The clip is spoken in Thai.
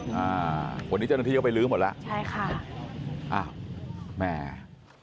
วันนี้เจ้าหน้าที่ก็ไปลื้อหมดแล้วใช่ค่ะ